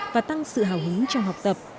và tăng sự hào hóa